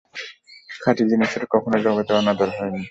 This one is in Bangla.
খাঁটি জিনিষের কখনও জগতে অনাদর হয়নি।